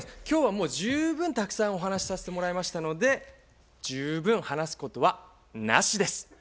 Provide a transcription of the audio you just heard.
今日はもう十分たくさんお話しさせてもらいましたので十分話すことはなしです。